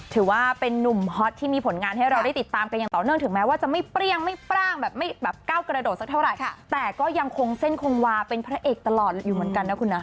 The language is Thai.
ถือว่าเป็นนุ่มฮอตที่มีผลงานให้เราได้ติดตามกันอย่างต่อเนื่องถึงแม้ว่าจะไม่เปรี้ยงไม่ปร่างแบบไม่แบบก้าวกระโดดสักเท่าไหร่แต่ก็ยังคงเส้นคงวาเป็นพระเอกตลอดอยู่เหมือนกันนะคุณนะ